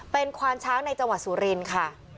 เป็นควานช้างในจังหวัดสุรินทร์ค่ะ